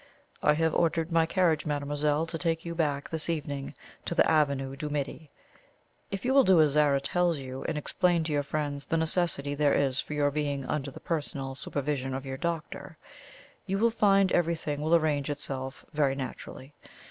"I have ordered my carriage, mademoiselle, to take you back this evening to the Avenue du Midi. If you will do as Zara tells you, and explain to your friends the necessity there is for your being under the personal supervision of your doctor, you will find everything will arrange itself very naturally.